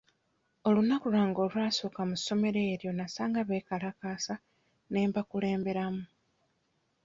Olunaku lwange olw'asooka mu ssomero eryo nasanga beekalakasa ne mbakulemberamu.